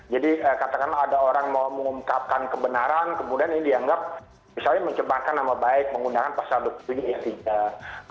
jadi katakanlah ada orang mau mengungkapkan kebenaran kemudian ini dianggap misalnya menyebarkan nama baik menggunakan pasal dokter ini ya tidak